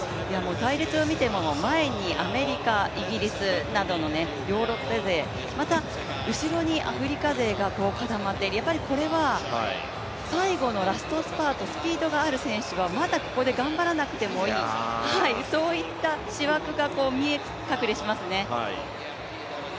隊列を見ても前にアメリカ、イギリスなどのヨーロッパ勢、また後ろにアフリカ勢が固まって、これは最後のラストスパート、スピードのある選手がまだここで頑張らなくてもいい、そういった思惑が見え隠れしますね。